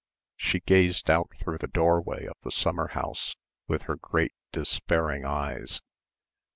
She gazed out through the doorway of the summer house with her great despairing eyes